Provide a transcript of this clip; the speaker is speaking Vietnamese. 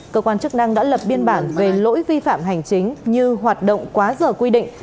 cơ quan chức năng đã lập biên bản về lỗi vi phạm hành chính như hoạt động quá giờ quy định